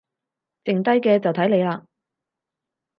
剩低嘅就睇你喇